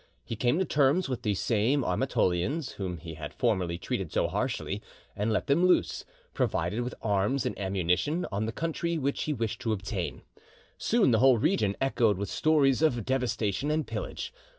He came to terms with the same Armatolians whom he had formerly treated so harshly, and let them loose, provided with arms and ammunition, on the country which he wished to obtain. Soon the whole region echoed with stories of devastation and pillage.